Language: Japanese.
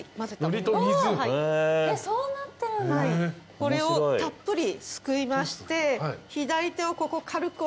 これをたっぷりすくいまして左手をここ軽く押さえます。